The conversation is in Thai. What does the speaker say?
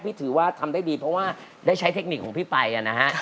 ถือว่าทำได้ดีเพราะว่าได้ใช้เทคนิคของพี่ไปนะฮะ